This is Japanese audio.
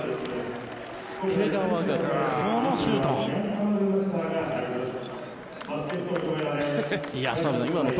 介川がこのシュート。